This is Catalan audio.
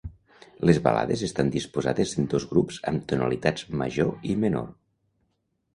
Les Balades estan disposades en dos grups amb tonalitats major i menor.